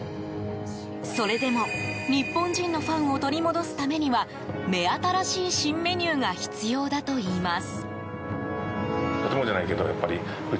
それでも、日本人のファンを取り戻すためには目新しい新メニューが必要だといいます。